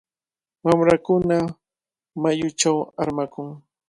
Wamrakuna mayuchaw armakun.